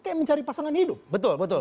kayak mencari pasangan hidup